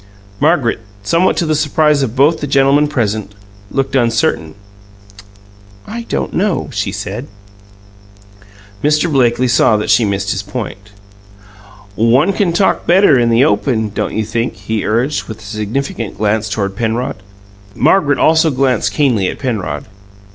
Margaret, somewhat to the surprise of both the gentlemen present, looked uncertain. "I don't know," she said. Mr. Blakely saw that she missed his point. "One can talk better in the open, don't you think?" he urged, with a significant glance toward Penrod. Margaret also glanced keenly at Penrod.